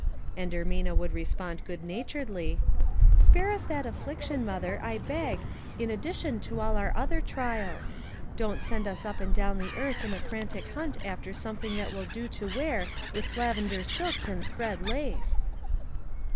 And Ermina would respond good naturedly, —" Spare us that affliction, mother, I beg, in ad dition to all our other trials. Don't send us up and down the earth in a frantic hunt after some thing that will do to wear with lavender silks and thread lace."